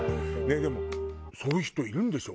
でもそういう人いるんでしょ？